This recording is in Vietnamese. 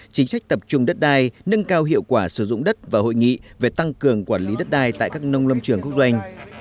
chính sách tập trung đất đai nâng cao hiệu quả sử dụng đất và hội nghị về tăng cường quản lý đất đai tại các nông lâm trường quốc doanh